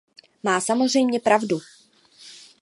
Má samozřejmě pravdu.